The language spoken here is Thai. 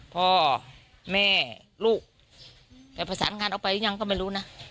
พ่อแม่ลูกจะประสานงานออกไปหรือยังก็ไม่รู้นะ